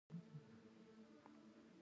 خو مې و نه لیدل، په هر حال لوکوموتیو تر ما.